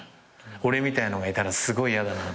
俺みたいなのがいたらすごい嫌だなと思って。